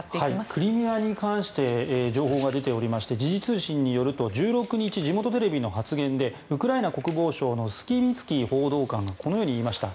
クリミアに関して情報が出ておりまして時事通信によると１６日、地元テレビの発言でウクライナ国防省のスキビツキー報道官がこのように言いました。